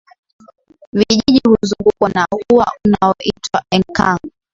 Vijiji huzungukwa na uwa unaoitwa Enkang